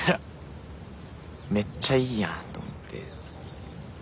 めっちゃいいやんと思って。